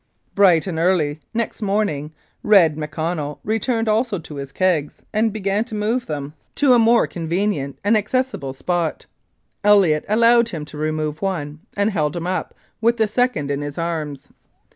Bright and early next morning Red McConnell returned also to his kegs, and began to move them to 305 Mounted Police Life in Canada a more convenient and accessible spot. Elliott allowed him to remove one, and " held him up " with the second in his arms.